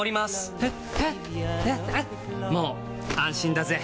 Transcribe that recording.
もう安心だぜ！